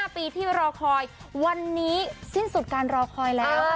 ๕ปีที่รอคอยวันนี้สิ้นสุดการรอคอยแล้ว